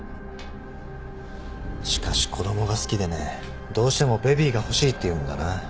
しかし子供が好きでねどうしてもベビーが欲しいって言うんだな。